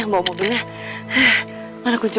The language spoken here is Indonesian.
harutnya gue bisa kerja nggak